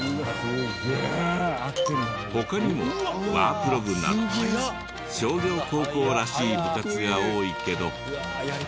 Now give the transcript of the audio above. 他にもワープロ部など商業高校らしい部活が多いけど。